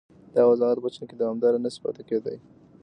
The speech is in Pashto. دا وضعیت په چین کې دوامداره نه شي پاتې کېدای